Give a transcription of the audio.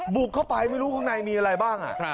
บุกเข้าไปไม่รู้ข้างในมีอะไรบ้าง